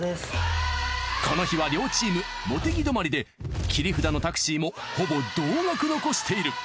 この日は両チーム茂木止まりで切り札のタクシーもほぼ同額残している。